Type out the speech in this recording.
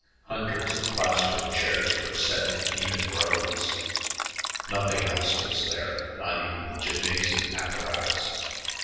Hundreds of class room chairs were set in even rows. Nothing else was there, not even the gymnasium apparatus.